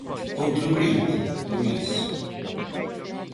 ¿Outro brinde, Luís?